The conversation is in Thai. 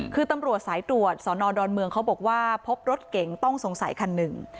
คือตำรวจสายตรวจสอนอดอนเมืองเขาบอกว่าพบรถเก๋งต้องสงสัยคันหนึ่ง